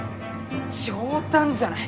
冗談じゃない！